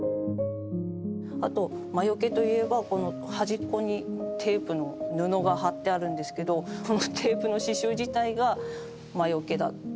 あと魔よけといえばこの端っこにテープの布が貼ってあるんですけどこのテープの刺しゅう自体が魔よけだ。